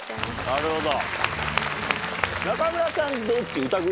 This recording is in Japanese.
なるほど。